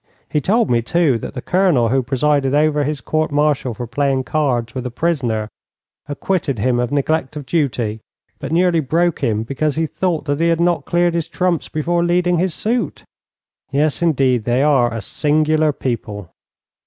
He told me, too, that the Colonel who presided over his court martial for playing cards with a prisoner acquitted him of neglect of duty, but nearly broke him because he thought that he had not cleared his trumps before leading his suit. Yes, indeed, they are a singular people.